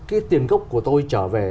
cái tiền gốc của tôi trở về